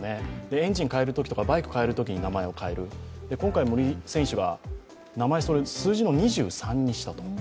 エンジンをかえるときとかバイクをかえるときに名前を変える今回、森選手は名前を数字の２３にしたと。